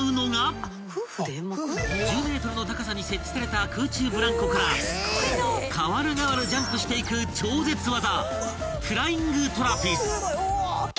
［１０ｍの高さに設置された空中ブランコから代わる代わるジャンプしていく超絶技］